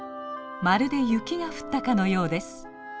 まるで雪が降ったかのようです。